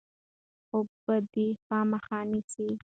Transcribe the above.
خوب به دی خامخا نیسي.